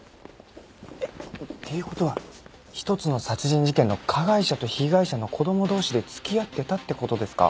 えっっていう事は一つの殺人事件の加害者と被害者の子供同士で付き合ってたって事ですか？